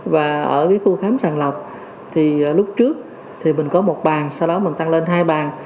và ở khu khám sàng lọc lúc trước mình có một bàn sau đó mình tăng lên hai bàn